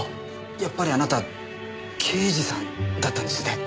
やっぱりあなた刑事さんだったんですね。